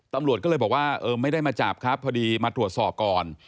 ตำรวจก็เลยบอกว่าเออไม่ได้มาจับครับพอดีมาตรวจสอบก่อน